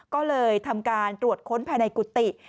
ก็เลยทำการตรวจค้นภายในกุฏิ